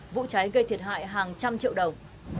vụ cháy gây thiệt hại hàng trăm triệu đồng